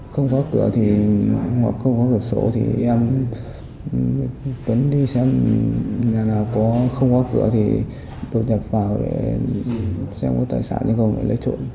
không có cửa hoặc không có cửa sổ thì em với tuấn đi xem nhà nào không có cửa thì tôi nhập vào để xem có tài sản hay không để lấy trộm